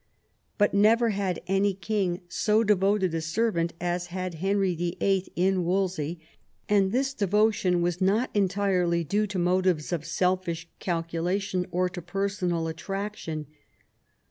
But never had any king so devoted a servant as had Henry YHI., in Wolsey; and this devotion was not entirely due to motives of selfish calculation or to personal attraction.